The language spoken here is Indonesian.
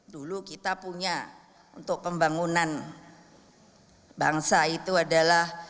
dulu kita punya untuk pembangunan bangsa itu adalah